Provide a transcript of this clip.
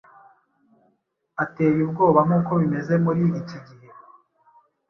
ateye ubwoba nk’uko bimeze muri iki gihe.